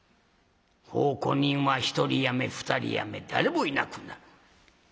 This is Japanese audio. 奉公人は１人やめ２人やめ誰もいなくなる。